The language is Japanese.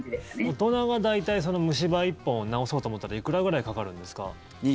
大人は大体虫歯１本治そうと思ったらいくらぐらいかかるんですか？